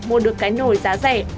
mua được cái nồi giá rẻ